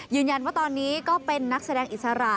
ยืนยันว่าตอนนี้ก็เป็นนักแสดงอิสระ